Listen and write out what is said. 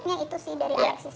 merknya itu sih dari aksisnya